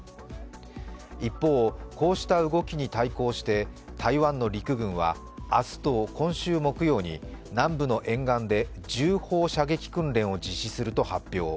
一方、こうした動きに対抗して台湾の陸軍は明日と今週、木曜に南部の沿岸で銃砲射撃訓練を実施すると発表。